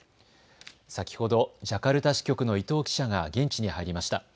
先ほどジャカルタ支局の伊藤記者が現地に入りました。